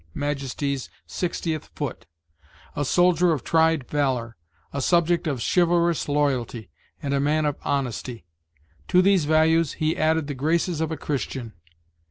Majesty's 60th Foot; a soldier of tried valor; a subject of chivalrous loyalty; and a man of honesty. To these virtues he added the graces of a Christian.